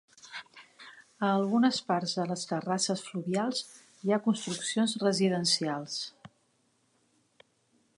A algunes parts de les terrasses fluvials hi ha construccions residencials.